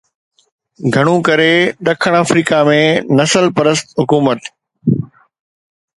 گهڻو ڪري ڏکڻ آفريڪا ۾ نسل پرست حڪومت